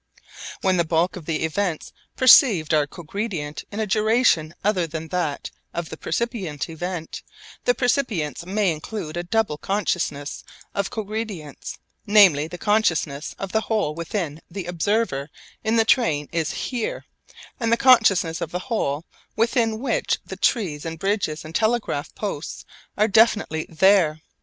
When the bulk of the events perceived are cogredient in a duration other than that of the percipient event, the percipience may include a double consciousness of cogredience, namely the consciousness of the whole within which the observer in the train is 'here,' and the consciousness of the whole within which the trees and bridges and telegraph posts are definitely 'there.'